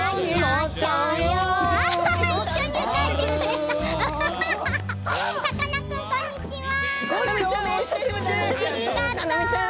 あっ、さかなクンこんにちは！